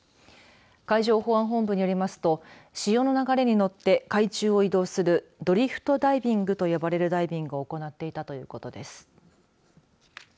海上保安本部によりますと潮の流れに乗って海上を移動するドリフトダイビングと呼ばれるダイビングを行っていたということです。